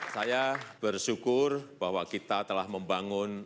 saya bersyukur bahwa kita telah membangun